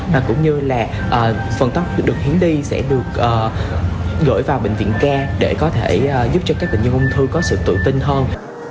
và cũng như là phần tốc được hướng đi sẽ được gửi vào bệnh viện ca để có thể giúp cho các bệnh nhân ung thư có sự tự tin hơn